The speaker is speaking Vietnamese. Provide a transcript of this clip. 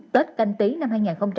tết canh tí năm hai nghìn hai mươi